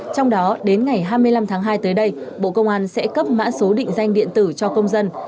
trong đó đến ngày hai mươi năm tháng hai tới đây bộ công an sẽ cấp mã số định danh điện tử cho công dân